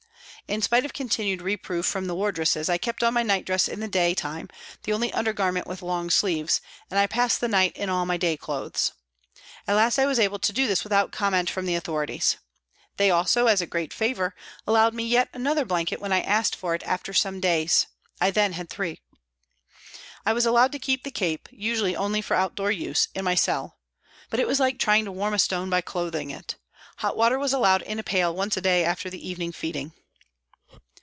In spite of continued reproof from the wardresses I kept on my nightdress in the day time, the only under garment with long sleeves, and I passed the night in all my day clothes. At last I was able to do this without comment from the authorities. They also, as a great favour, allowed me yet another blanket when I asked for it after some days ; I then had three. I was allowed to keep the cape, usually only for out door use, in my cell. But it was like trying to warm a stone by clothing it. Hot water was allowed in a pail once a day after the evening feeding.